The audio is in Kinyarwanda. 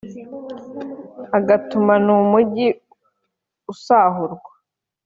agatuma n’umugi usahurwa.